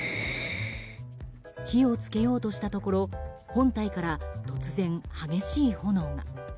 火をつけようとしたところ本体から突然、激しい炎が。